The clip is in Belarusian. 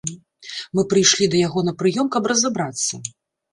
Мы прыйшлі да яго на прыём, каб разабрацца.